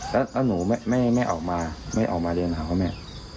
แล้วหนูไม่ออกมาเดินหรือครับพ่อแม่